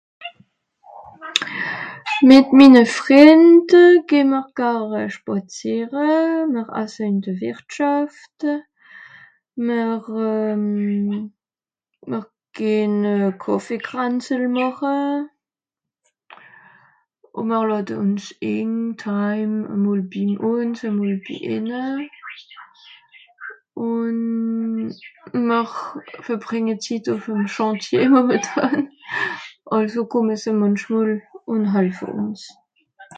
mit minne frìnd geh mr garn spàziere mr asse ìn de wìrtschàft mr euh mr gehn kàffegranzel màche ùn mr làde ùns ìn taim à mòl bi ùns à mòl bi ìnne ùn mr verbrìnge zit ùff'm chantier holt hàn àlso kòmme se mànchmòl ùn holfe ùns